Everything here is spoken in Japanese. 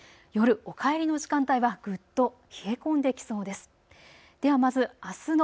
夜、お帰りの時間帯はぐっと冷え込んできそうです。